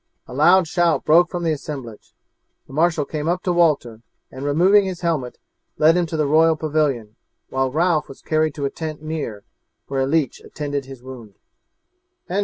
A loud shout broke from the assemblage. The marshal came up to Walter, and removing his helmet, led him to the royal pavilion, while Ralph was carried to a tent near, where a leech attended his wound.